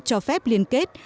cho phép liên kết